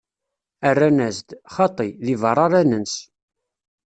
Rran-as-d: Xaṭi, di beṛṛa ara nens.